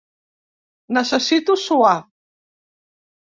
Necessito suar.